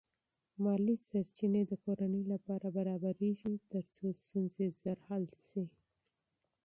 مالی سرچینې د کورنۍ لپاره برابرېږي ترڅو ستونزې ژر حل شي.